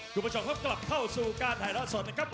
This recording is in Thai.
คุณผู้ชมครับกลับเข้าสู่การถ่ายทอดสดนะครับ